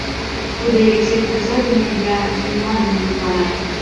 Тудо Элексей кугыза дене я Емела дене мутлана.